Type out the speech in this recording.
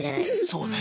そうね